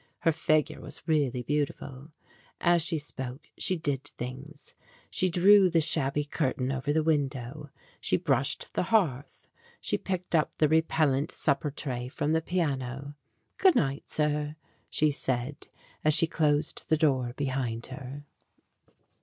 Her figure was really beautiful. As she spoke, she did things. She drew the shabby curtain over the window. She brushed the hearth. She picked up the repellent supper tray from the piano. 8 STORIES WITHOUT TEARS "Good night, sir," she said, as she closed the door be hind her.